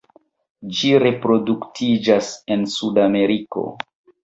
Ĝi reproduktiĝas en Sudameriko.